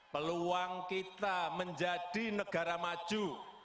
peluang kita menjadi negara maju